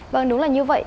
vâng đúng là như vậy